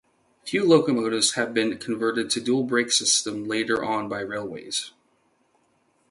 Few locomotives have been converted to dual brake system later on by Railways.